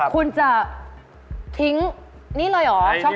คุณจะทิ้งนี่เลยเหรอ